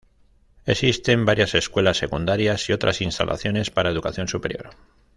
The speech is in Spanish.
Existen varias escuelas secundarias y otras instalaciones para educación superior.